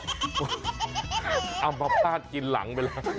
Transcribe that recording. อัมภาษกินหลังไปแล้ว